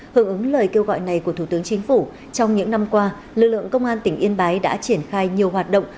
hưởng ứng lời kêu gọi này của thủ tướng chính phủ trong những năm qua lực lượng công an tỉnh yên bái đã triển khai nhiều hoạt động